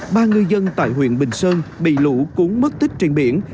ba người dân tại huyện bình sơn bị lũ cúng mất tích trên biển